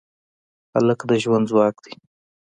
هلک د ژوند ځواک دی.